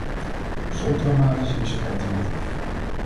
Zo dramatisch is het alternatief!